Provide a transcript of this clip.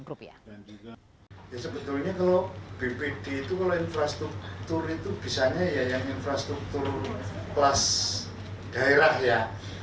bpd itu kalau infrastruktur itu bisanya ya yang infrastruktur kelas daerah ya